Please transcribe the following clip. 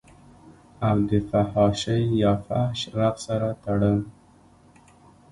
او دفحاشۍ يا فحش رقص سره تړل